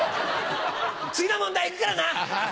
次の問題いくからな！